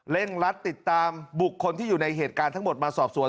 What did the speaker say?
ลัดติดตามบุคคลที่อยู่ในเหตุการณ์ทั้งหมดมาสอบสวน